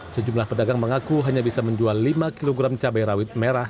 sejumlah pedagang mengaku hanya bisa menjual lima kg cabai rawit merah